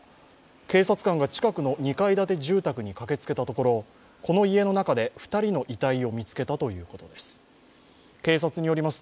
警察官が近くの２階建て住宅に駆けつけたところこの家の中で２人の遺体を見つけたということです。